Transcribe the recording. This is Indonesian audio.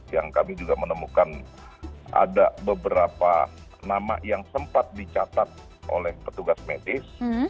yang kami juga menemukan ada beberapa nama yang sempat dicatat oleh petugas medis